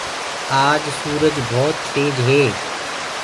آج سُورج ڀوت تيج هي۔